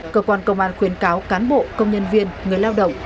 cơ quan công an khuyến cáo cán bộ công nhân viên người lao động